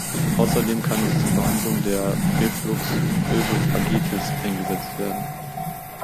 Außerdem kann es zur Behandlung der Refluxösophagitis eingesetzt werden.